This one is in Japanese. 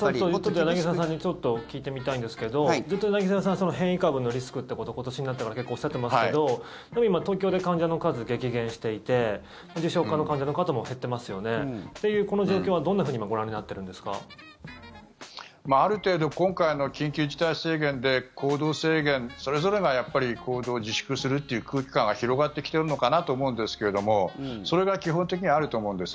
柳澤さんにちょっと聞いてみたいんですけどずっと柳澤さんは変異株のリスクということを今年になってから結構おっしゃっていますけどでも今、東京で患者の数激減していて重症化の患者の方も減っていますよね。というこの状況はどんなふうに今ご覧になっているんですか？ある程度今回の緊急事態宣言で行動制限それぞれがやっぱり行動を自粛するという空気感が広がってきているのかなと思うんですけれどもそれが基本的にはあると思うんです。